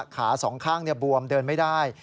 สองข้างบวมเดินไม่ได้